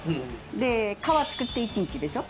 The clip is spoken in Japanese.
で皮作って１日でしょ。